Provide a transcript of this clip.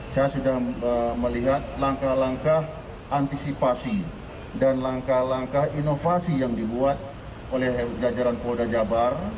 saya sudah melihat langkah langkah antisipasi dan langkah langkah inovasi yang dibuat oleh jajaran polda jabar